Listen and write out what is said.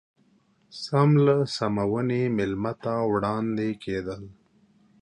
سم له سمونې مېلمه ته وړاندې کېدل.